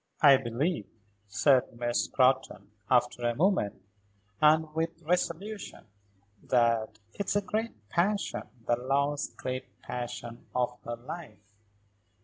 "I believe," said Miss Scrotton, after a moment, and with resolution, "that it's a great passion; the last great passion of her life."